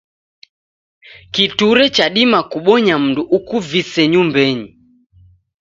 Kiture chadima kubonya mndu ukuvise nyumbenyi.